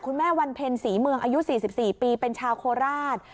วันเพ็ญศรีเมืองอายุ๔๔ปีเป็นชาวโคราช